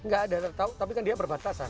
nggak ada tapi kan dia berbatasan